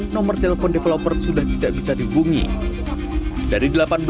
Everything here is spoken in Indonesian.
sempat waktu itu dimintain cicilan